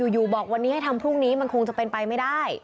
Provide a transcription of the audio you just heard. อยู่บอกวันนี้ให้ทำพรุ่งนี้มันคงจะเป็นไปไม่ได้